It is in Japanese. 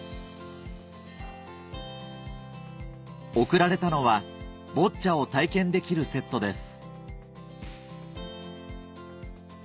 贈られたのはボッチャを体験できるセットです